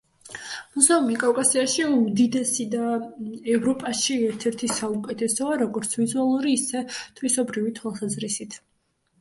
მუზეუმი კავკასიაში უდიდესი და ევროპაში ერთ-ერთი საუკეთესოა, როგორც ვიზუალური, ისე თვისობრივი თვალსაზრისით.